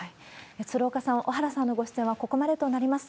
鶴岡さん、小原さんのご出演はここまでとなります。